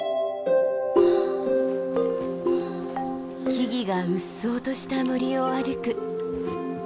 木々がうっそうとした森を歩く。